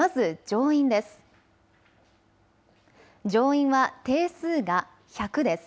上院は定数が１００です。